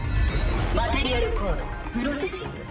マテリアルコードプロセシング